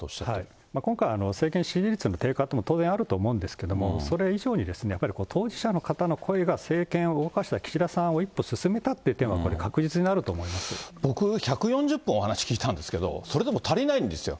今回、政権支持率の低下っていうのも、当然あると思うんですけれども、それ以上に、やっぱり当事者の方の声が政権を動かした、岸田さんを一歩進めたっていう点は、僕、１４０分お話聞いたんですけど、それでも足りないんですよ。